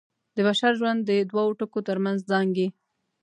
د بشر ژوند د دوو ټکو تر منځ زانګي.